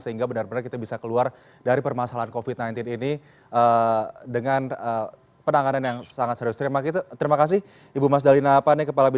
sehingga benar benar kita bisa keluar dari permasalahan covid sembilan belas ini